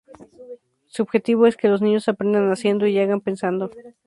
Su objetivo es que los niños aprendan haciendo y hagan pensando.